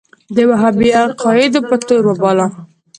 د وهابي عقایدو په تور وباله.